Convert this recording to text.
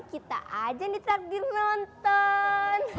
kita aja ditakdir nonton